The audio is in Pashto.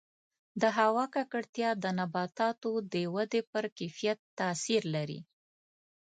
د هوا ککړتیا د نباتاتو د ودې پر کیفیت تاثیر لري.